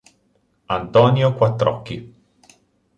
Antonio Quattrocchi